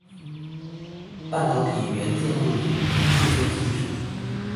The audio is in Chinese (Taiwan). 半導體元件物理與製作技術